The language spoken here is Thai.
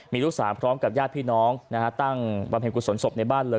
มีลูกสาวพร้อมกับญาติพี่น้องตั้งบำเพ็ญกุศลศพในบ้านเลย